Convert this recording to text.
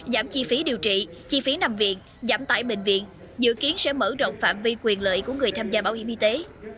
giảm chi phí điều trị chi phí nằm viện giảm tại bệnh viện dự kiến sẽ mở rộng phạm vi quyền lợi của người tham gia bảo hiểm y tế